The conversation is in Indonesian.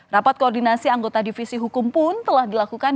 rapat koordinasi anggota divisi hukum pun telah dilakukan